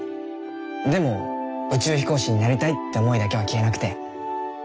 でも宇宙飛行士になりたいって思いだけは消えなくて。